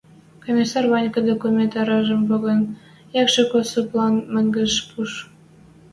Комиссар Ванька, документ аражым поген, Якшик Осыплан мӹнгеш пуш.